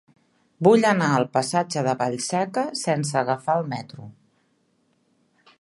Vull anar al passatge de Vallseca sense agafar el metro.